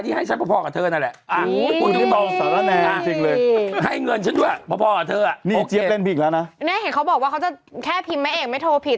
นี่เห็นเขาบอกว่าเขาจะแค่พิมพ์แม่เอกไม่โทรผิด